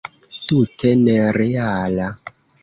Tute nereala!